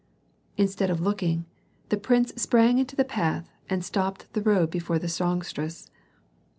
Instead of looking, the prince sprang into the path and stopped the road before the songstress.